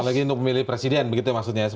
apalagi untuk memilih presiden begitu maksudnya